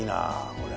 これ。